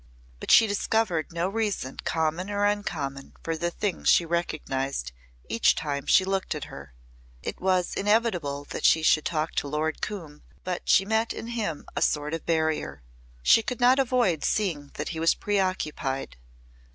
But she discovered no reason common or uncommon for the thing she recognised each time she looked at her. It was inevitable that she should talk to Lord Coombe but she met in him a sort of barrier. She could not avoid seeing that he was preoccupied.